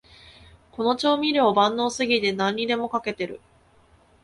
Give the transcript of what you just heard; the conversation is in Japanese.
この調味料、万能すぎて何にでもかけてる